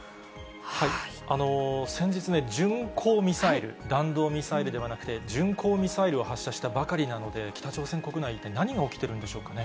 先日ね、巡航ミサイル、弾道ミサイルではなくて、巡航ミサイルを発射したばかりなので、北朝鮮国内、一体何が起きているんでしょうかね。